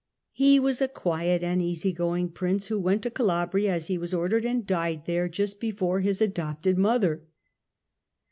He was a quiet and easy going prince, "^°" who went to Calabria as he was ordered, and died there just before his adopted mother.